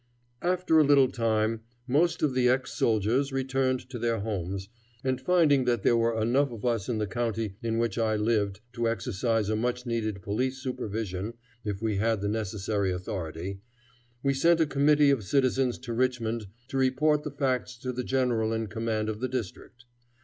After a little time most of the ex soldiers returned to their homes, and finding that there were enough of us in the county in which I lived to exercise a much needed police supervision if we had the necessary authority, we sent a committee of citizens to Richmond to report the facts to the general in command of the district.